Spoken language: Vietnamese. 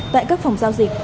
tại các phòng giao dịch